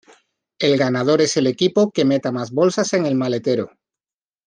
El ganador es el equipo que meta más en bolsas en el maletero.